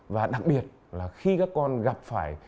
và đặc biệt là khi các con gặp phải